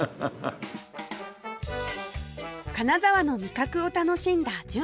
金沢の味覚を楽しんだ純ちゃん